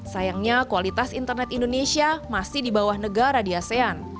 sayangnya kualitas internet indonesia masih di bawah negara di asean